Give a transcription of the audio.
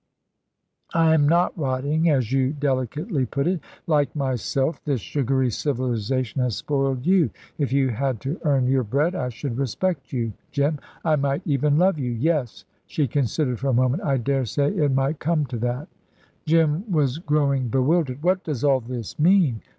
"I am not rotting, as you delicately put it. Like myself, this sugary civilisation has spoiled you. If you had to earn your bread I should respect you, Jim. I might even love you. Yes" she considered for a moment "I daresay it might come to that." Jim was growing bewildered. "What does all this mean?"